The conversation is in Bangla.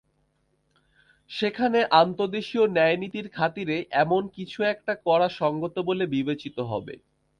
সেখানে আন্তদেশীয় ন্যায়নীতির খাতিরে এমন কিছু একটা করা সংগত বলে বিবেচিত হবে।